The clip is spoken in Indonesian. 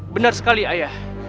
benar sekali ayah